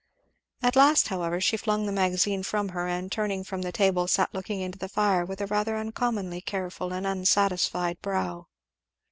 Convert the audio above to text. At last, however, she flung the Magazine from her and turning from the table sat looking into the fire with a rather uncommonly careful and unsatisfied brow.